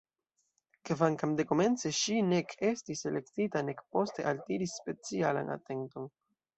Kvankam dekomence ŝi nek estis elektita nek poste altiris specialan atenton.